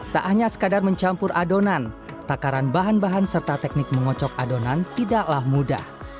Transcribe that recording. tak hanya sekadar mencampur adonan takaran bahan bahan serta teknik mengocok adonan tidaklah mudah